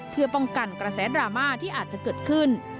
เพื่อป้องกันกระแสดราม่าที่อาจจะเกิดขึ้น